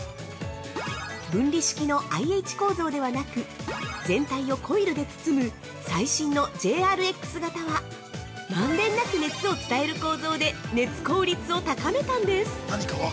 分離式のＩＨ構造ではなく全体をコイルで包む最新のＪＲＸ型は満遍なく熱を伝える構造で熱効率を高めたんです。